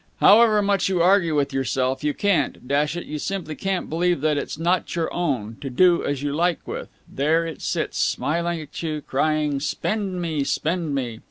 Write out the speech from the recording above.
However much you argue with yourself, you can't dash it, you simply can't believe that it's not your own, to do as you like with, There it sits, smiling at you, crying 'Spend me! Spend me!'